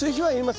はい。